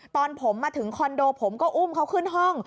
ตอนผมมาถึงคอนโดผมก็อุ้มเขาขึ้นห้อง